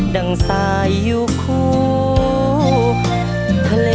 ั่งสายอยู่คู่ทะเล